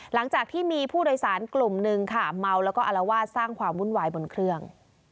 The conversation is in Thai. หลังจากที่มีผู้โดยสารกลุ่มหนึ่งค่ะเมาแล้วก็อารวาสสร้างความวุ่นวายบนเครื่อง